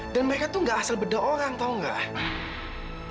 dan mereka tuh gak asal beda orang tahu gak